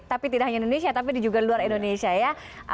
tapi tidak hanya indonesia tapi juga luar indonesia ya